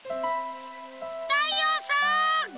たいようさん！